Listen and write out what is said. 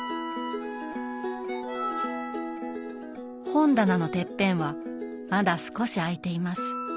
本棚のてっぺんはまだ少し空いています。